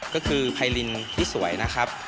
ก็คือไพรินที่สวยนะครับ